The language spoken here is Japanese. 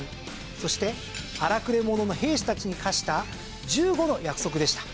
そして荒くれ者の兵士たちに課した１５の約束でした。